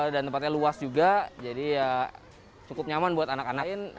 dan tempatnya luas juga jadi ya cukup nyaman buat anak anak